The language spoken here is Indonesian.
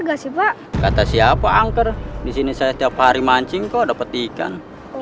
gak sih pak kata siapa angker di sini saya tiap hari mancing kau dapet ikan